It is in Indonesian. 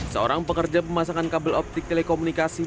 seorang pekerja pemasangan kabel optik telekomunikasi